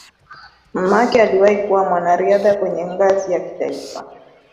Mamake aliwahi kuwa mwanariadha kwenye ngazi ya kitaifa.